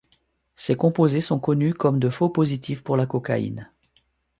Ces composés sont connus comme de faux positifs pour la cocaïne.